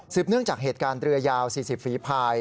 เนื่องจากเหตุการณ์เรือยาว๔๐ฝีภาย